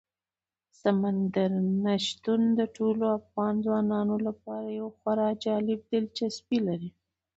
سمندر نه شتون د ټولو افغان ځوانانو لپاره یوه خورا جالب دلچسپي لري.